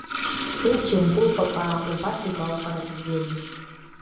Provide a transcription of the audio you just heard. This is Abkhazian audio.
Дцеит Џьамбул Папаа убас игәалаҟара бзианы…